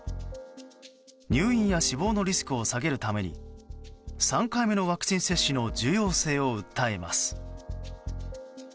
入院や死亡のリスクを下げるために３回目のワクチン接種の重要性を訴えます。